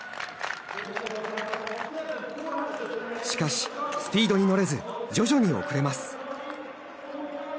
しかし、スピードに乗れず徐々に遅れます。